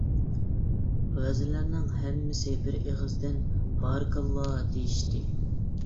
ۋەزىرلەرنىڭ ھەممىسى بىر ئېغىزدىن «بارىكاللا» دېيىشتى.